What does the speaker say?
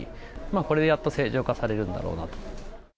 これでやっと正常化されるんだろうなと。